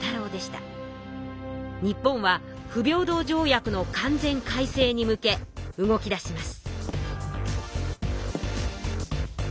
日本は不平等条約の完全改正に向け動き出します。